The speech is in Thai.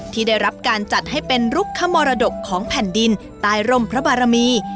ที่ได้รับการจัดให้เป็นรุกขมรดกของแผ่นดินใต้ร่มพระบารมี